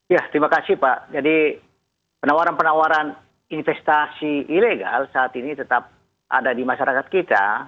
ya terima kasih pak jadi penawaran penawaran investasi ilegal saat ini tetap ada di masyarakat kita